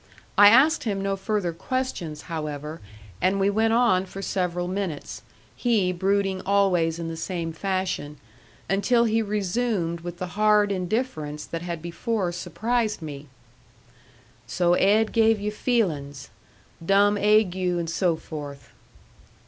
I asked him no further questions, however, and we went on for several minutes, he brooding always in the same fashion, until he resumed with the hard indifference that had before surprised me: "So Ed gave you feelings! Dumb ague and so forth."